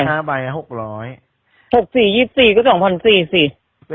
ห้าใบหกร้อยหกสี่ยี่สิบสี่ก็สองพันสี่สิ